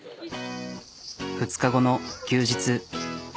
２日後の休日。